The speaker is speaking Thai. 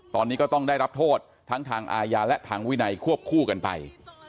ตอนนี้ก็ต้องได้รับโทษทั้งทางอาญาและทางวินัยควบคู่กันไป